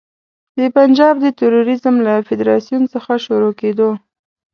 د پنجاب د توریزم له فدراسیون څخه شروع کېدو.